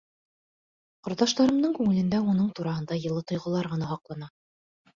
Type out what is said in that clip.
Ҡорҙаштарымдың күңелендә уның тураһында йылы тойғолар ғына һаҡлана.